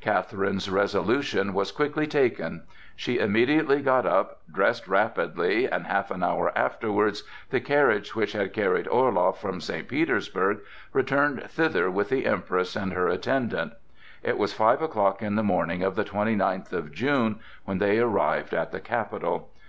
Catherine's resolution was quickly taken. She immediately got up, dressed rapidly, and half an hour afterwards the carriage which had carried Orloff from St. Petersburg, returned thither with the Empress and her attendant. It was five o'clock in the morning of the twenty ninth of June when they arrived at the capital.